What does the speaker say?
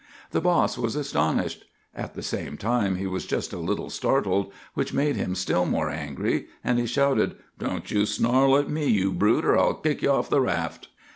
"The boss was astonished. At the same time he was just a little startled, which made him still more angry, and he shouted,— "'Don't you snarl at me, you brute, or I'll kick you off o' the raft!